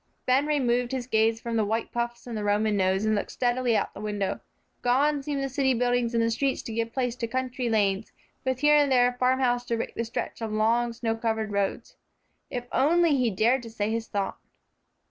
Ben removed his gaze from the white puffs and Roman nose, and looked steadily out of the window. Gone seemed the city buildings and streets to give place to country lanes, with here and there a farm house to break the stretch of long, snow covered roads. If only he dared to say his thought!